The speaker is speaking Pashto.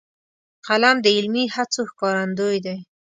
قلم د علمي هڅو ښکارندوی دی